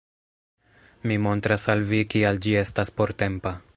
Mi montras al vi kial ĝi estas portempa